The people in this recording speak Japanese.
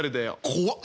怖っ。